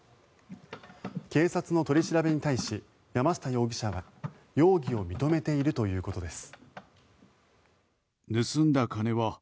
警察の取り調べに対し山下容疑者は容疑を認めているということです。